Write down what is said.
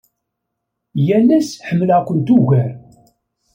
Yal ass ḥemmleɣ-kent ugar.